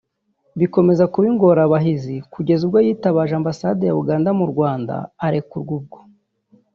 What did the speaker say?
bikomeza kuba ingorabahizi kugeza ubwo yitabaje Ambasade ya Uganda mu Rwanda arekurwa ubwo